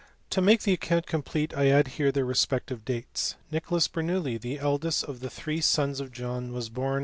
To make the account complete I add here their respec tive dates. Nicholas Bernoulli, the eldest of the three sons of L HOSPITAL.